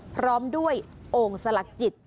พร้อมด้วยโอ่งสลักจิต